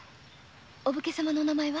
お武家様のお名前は？